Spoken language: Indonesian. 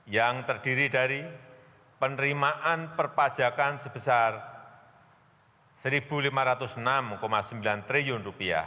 yang terdiri dari penerimaan perpajakan sebesar rp satu lima ratus enam sembilan triliun